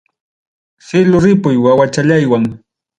Cielo ripuy wawachallaywan.